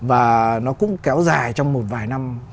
và nó cũng kéo dài trong một vài năm